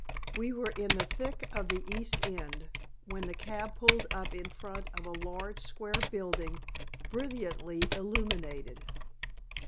We were in the thick of the East End, when the cab pulled up in front of a large square building, brilliantly illuminated.